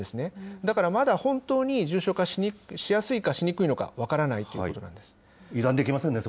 だからまだ本当に重症化しやすいかしにくいのか、分からないということなんです。